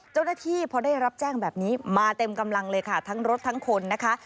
เจ้าหน้าที่พอได้รับแจ้งแบบนี้มาเต็มกำลังเลยค่ะทั้งรถทั้งคนนะคะ